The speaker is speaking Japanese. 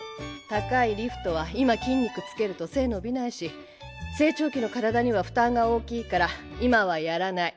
高いリフトは今筋肉付けると背ぇ伸びないし成長期の体には負担が大きいから今はやらない。